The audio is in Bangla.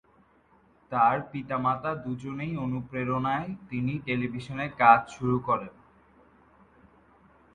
তার পিতা মাতা দুজনেই অনুপ্রেরণায় তিনি টেলিভিশনে কাজ শুরু করেন।